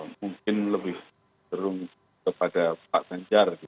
mungkin lebih terung kepada pak senjar gitu